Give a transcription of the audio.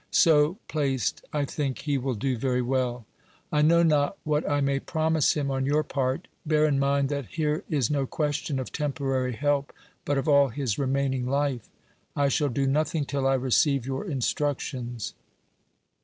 So placed, I think, he will do very well. I know not what I may promise him on your part ; bear in mind that here is no question of temporary help, but of all his remaining life. I shall do nothing till I receive your instructions.